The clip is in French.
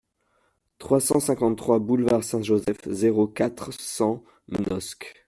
trois cent cinquante-trois boulevard Saint-Joseph, zéro quatre, cent, Manosque